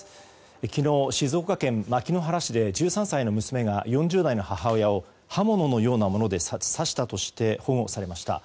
昨日、静岡県牧之原市で１３歳の娘が４０代の母親を刃物のようなもので刺したとして保護されました。